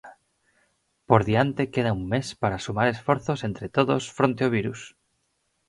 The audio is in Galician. Por diante queda un mes para sumar esforzos entre todos fronte ao virus.